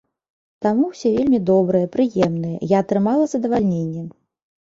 Таму ўсе вельмі добрыя, прыемныя, я атрымала задавальненне.